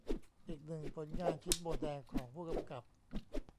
อีกหนึ่งผลงานชิ้นโบแดงของผู้กำกับ